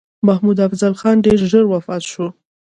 محمدافضل خان ډېر ژر وفات شو.